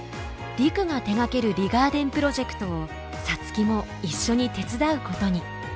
陸が手がけるリガーデンプロジェクトを皐月も一緒に手伝うことに。